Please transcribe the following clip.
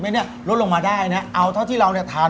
เนี่ยลดลงมาได้นะเอาเท่าที่เราเนี่ยทาน